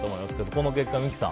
この結果、三木さん。